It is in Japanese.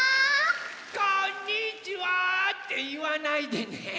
「こんにちは！」っていわないでね。